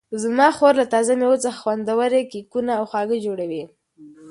زما خور له تازه مېوو څخه خوندورې کیکونه او خواږه جوړوي.